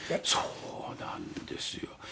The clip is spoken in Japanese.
そうなんですよ。